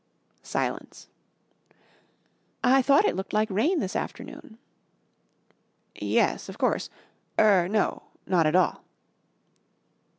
Silence. "I thought it looked like rain this afternoon." "Yes, of course. Er no, not at all."